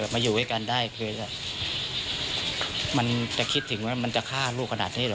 มาอยู่ด้วยกันได้คือมันจะคิดถึงว่ามันจะฆ่าลูกขนาดนี้เหรอ